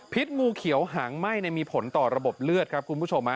งูเขียวหางไหม้มีผลต่อระบบเลือดครับคุณผู้ชม